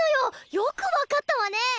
よく分かったわねえ。